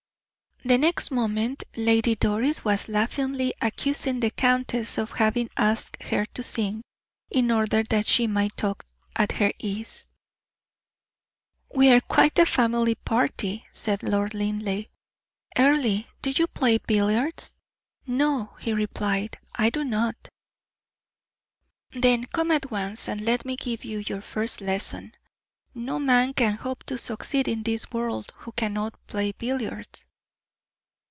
The next moment Lady Doris was laughingly accusing the countess of having asked her to sing, in order that she might talk at her ease. "We are quite a family party," said Lord Linleigh. "Earle, do you play billiards?" "No," he replied, "I do not." "Then come at once, and let me give you your first lesson. No man can hope to succeed in this world who cannot play billiards."